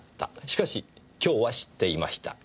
しかし今日は知っていました。